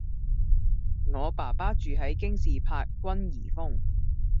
我爸爸住喺京士柏君頤峰